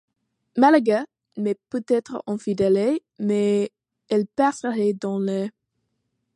Malaga m’est peut-être infidèle, mais elle passerait dans le...